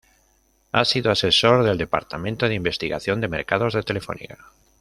Ha sido asesor del departamento de investigación de mercados de Telefónica.